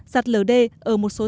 sạch lờ đê ở một số dân